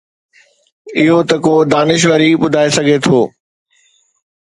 اهو ته ڪو دانشور ئي ٻڌائي سگهي ٿو.